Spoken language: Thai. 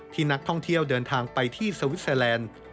นักท่องเที่ยวเดินทางไปที่สวิสเตอร์แลนด์